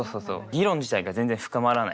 議論自体が全然深まらない。